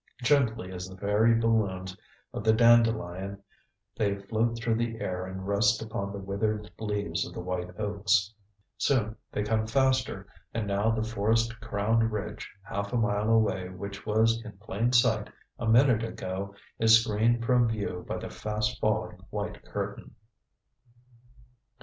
Gently as the fairy balloons of the dandelion they float through the air and rest upon the withered leaves of the white oaks. Soon they come faster, and now the forest crowned ridge half a mile away which was in plain sight a minute ago is screened from view by the fast falling white curtain.